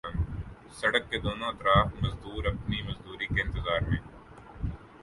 سڑک کے دونوں اطراف مزدور اپنی مزدوری کے انتظار میں